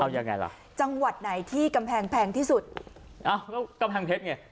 เอายังไงล่ะจังหวัดไหนที่กำแพงแพงที่สุดอ้าวก็กำแพงเพชรไง